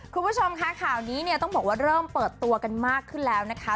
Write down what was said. คุณผู้ชมค่ะข่าวนี้เนี่ยต้องบอกว่าเริ่มเปิดตัวกันมากขึ้นแล้วนะคะ